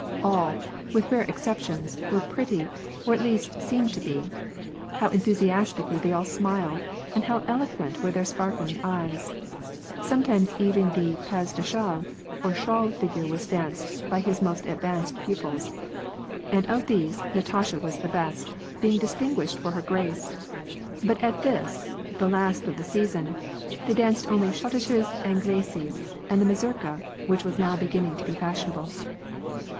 All, with rare exceptions, were pretty, or at least seemed to be. How enthusiastically they all smiled, and how eloquent were their sparkling eyes ! Sometimes even the pas de chdle, or shawl figure was danced by his most advanced pupils, and of these, Natasha was the best, being distinguished for her grace ; but at this, the last of the season, they danced only schotHsches Anglaises, and the mazurka, which was now beginning to be fashionable.